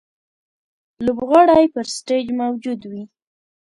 لوبغاړی پر سټېج موجود وي.